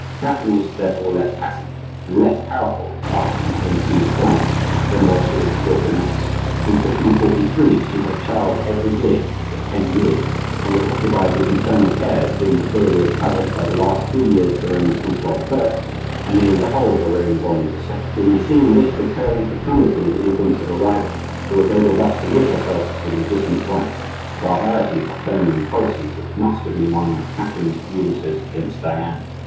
Catherine was therefore less happy and less powerful after she became queen of France than while she was dauphiness. From 1543 she had a child every year for ten years, and was occupied with maternal cares during the period covered by the last three years of the reign of Francois I. and nearly the whole of the reign of Henri II. We may see in this recurring fecundity the influence of a rival, who was able thus to rid herself of the legitimate wife,—a barbarity of feminine policy which must have been one of Catherine's grievances against Diane.